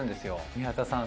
「宮田さん